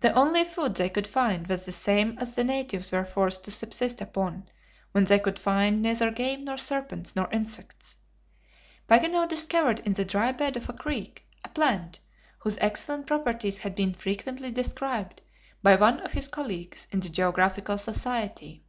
The only food they could find was the same as the natives were forced to subsist upon, when they could find neither game, nor serpents, nor insects. Paganel discovered in the dry bed of a creek, a plant whose excellent properties had been frequently described by one of his colleagues in the Geographical Society.